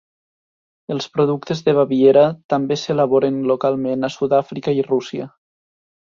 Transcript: Els productes de Baviera també s'elaboren localment a Sud-àfrica i Rússia.